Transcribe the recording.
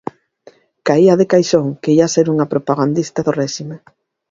Caía de caixón que ía ser unha propagandista do réxime.